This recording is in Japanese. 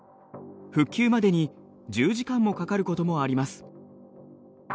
復旧までに１０時間もかかることもあります。